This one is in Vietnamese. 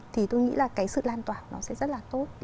thì tôi nghĩ là cái sự lan tỏa nó sẽ rất là tốt